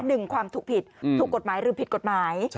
หนึ่งความถูกผิดถูกกฎหมายหรือผิดกฎหมาย